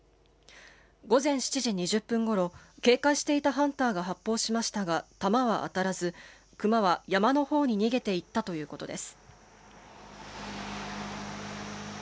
午前７時２０分ごろ警戒していたハンターが発砲しましたが弾は当たらず、クマは山のほうに逃げていったということです。